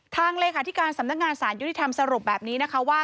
เลขาธิการสำนักงานสารยุติธรรมสรุปแบบนี้นะคะว่า